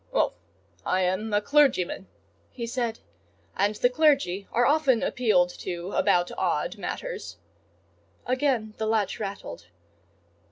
"Oh! I am a clergyman," he said; "and the clergy are often appealed to about odd matters." Again the latch rattled.